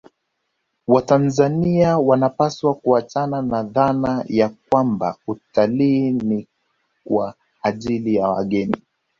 Watanzania wanapaswa kuachana na dhana ya kwamba utalii ni kwa ajili ya wageni